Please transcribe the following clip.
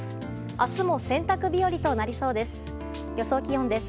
明日も洗濯日和となりそうです。